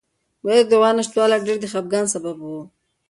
ګلالۍ ته د غوا نشتوالی ډېر د خپګان سبب و.